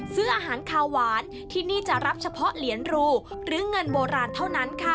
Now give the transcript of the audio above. ซื้ออาหารคาวหวานที่นี่จะรับเฉพาะเหรียญรูหรือเงินโบราณเท่านั้นค่ะ